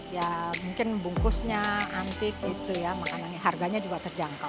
ya mungkin bungkusnya antik gitu ya makanannya harganya juga terjangkau